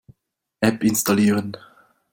App installieren.